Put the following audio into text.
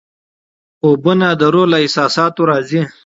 خوبونه د روح له احساساتو راځي.